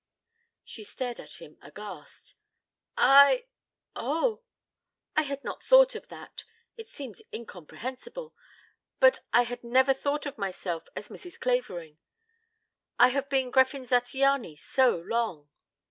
She stared at him aghast. "I oh! I had not thought of that. It seems incomprehensible but I had never thought of myself as Mrs. Clavering. I have been Gräfin Zattiany so long!"